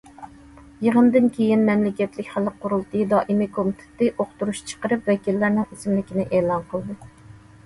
يىغىندىن كېيىن مەملىكەتلىك خەلق قۇرۇلتىيى دائىمىي كومىتېتى ئۇقتۇرۇش چىقىرىپ، ۋەكىللەرنىڭ ئىسىملىكىنى ئېلان قىلدى.